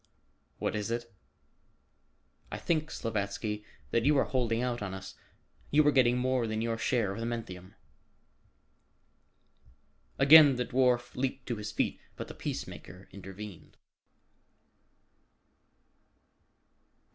"What is it?" "I think, Slavatsky, that you are holding out on us. You are getting more than your share of the menthium." Again the dwarf leaped to his feet, but the peace maker intervened.